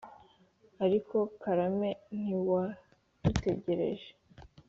ariko karame ntiwadutetereje